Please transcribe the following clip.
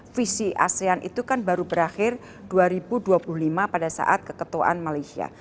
visi asean itu kan baru berakhir dua ribu dua puluh lima pada saat keketuaan malaysia